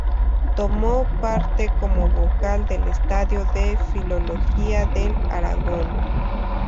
Tomó parte como vocal del Estudio de Filología de Aragón.